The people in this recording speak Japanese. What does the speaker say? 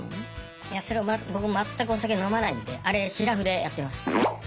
いやそれをまず僕全くお酒飲まないんであれシラフでやってます。